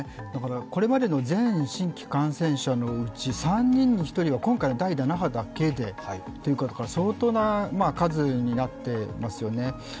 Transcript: これまでの全新規感染者のうち、３人に１人が今回の第７波だけでということですから相当な数になっていますよね。